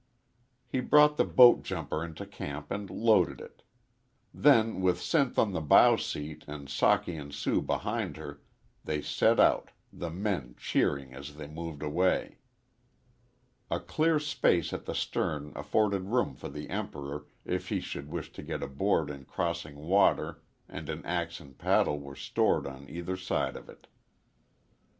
He brought the boat jumper into camp and loaded it. Then with Sinth on the bow seat and Socky and Sue behind her they set out, the men cheering as they moved away. A clear space at the stern afforded room for the Emperor if he should wish to get aboard in crossing water and an axe and paddle were stored on either side of it.